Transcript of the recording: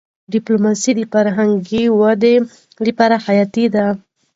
ډيپلوماسي د فرهنګي ودي لپاره حياتي ده.